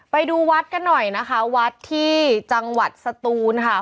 ไปดูวัดกันหน่อยนะคะวัดที่จังหวัดสตูนค่ะ